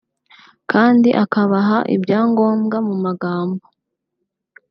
kandi akabaha ibyangombwa mu magambo